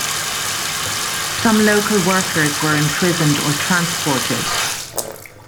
Some local workers were imprisoned or transported.